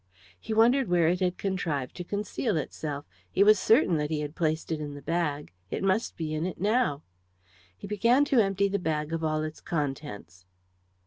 He wondered where it had contrived to conceal itself. He was certain that he had placed it in the bag. It must be in it now. He began to empty the bag of all its contents.